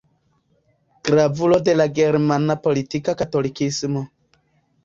Gravulo de la germana politika katolikismo.